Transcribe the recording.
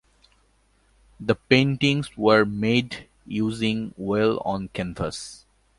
The paintings were made using oil on canvas.